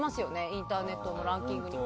インターネットのランキングに。